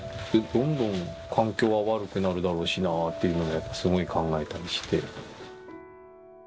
どんどん環境は悪くなるだろうしなっていうのはすごい考えたりして。